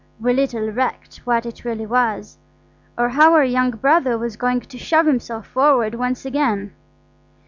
We little recked what it really was, or how our young brother was going to shove himself forward once again.